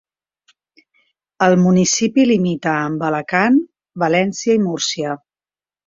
El municipi limita amb Alacant, València i Múrcia.